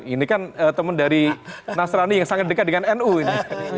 ini kan teman dari nasrani yang sangat dekat dengan nu ini